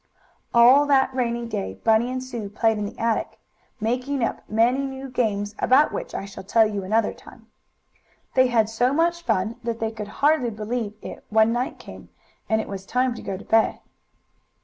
All that rainy day Bunny and Sue played in the attic, making up many new games about which I shall tell you another time. They had so much fun that they could hardly believe it when night came, and it was time to go to bed.